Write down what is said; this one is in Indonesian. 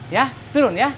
ya turun ya